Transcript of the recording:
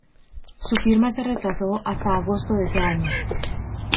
Su firma se retrasó hasta agosto de ese año.